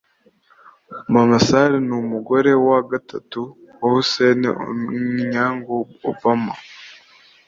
Mama Sarah ni umugore wa gatatu wa Hussein Onyango Obama